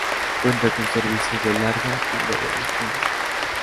Cuenta con servicios de Larga y Media Distancia.